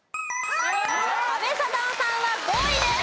阿部サダヲさんは５位です。